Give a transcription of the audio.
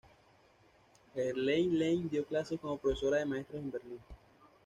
Helene Lange dio clases como profesora de maestras en Berlín.